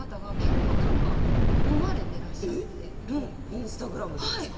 インスタグラムでですか？